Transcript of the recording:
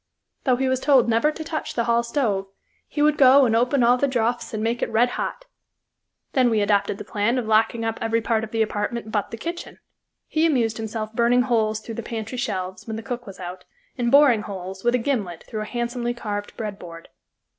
Though he was told never to touch the hall stove, he would go and open all the draughts and make it red hot. Then we adopted the plan of locking up every part of the apartment but the kitchen. He amused himself burning holes through the pantry shelves, when the cook was out, and boring holes, with a gimlet, through a handsomely carved bread board.